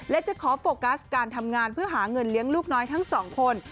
และจะขอโฟกัสการทำงานเพื่อหาเงินเลี้ยงลูกน้อยทั้งสองคน